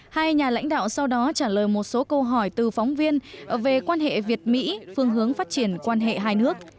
hai nhà lãnh đạo sau đó trả lời một số câu hỏi từ phóng viên về quan hệ việt mỹ phương hướng phát triển quan hệ hai nước